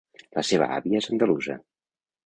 La seva àvia és andalusa.